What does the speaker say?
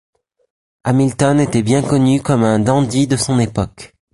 Hamilton était bien connu comme un dandy de son époque.